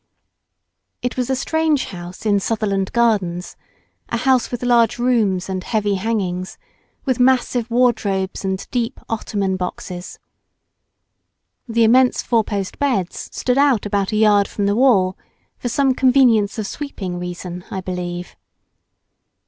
It was a strange house in Sutherland Gardens—a house with large rooms and heavy hangings—with massive wardrobes and deep ottoman boxes. The immense four post beds stood out about a yard from the wall, for some "convenience of sweeping" reason, I believe.